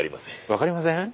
分かりません？